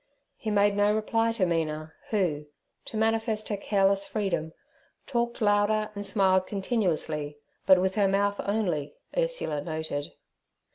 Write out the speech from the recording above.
He made no reply to Mina, who, to manifest her careless freedom, talked louder and smiled continuously, but with her mouth only, Ursula noted.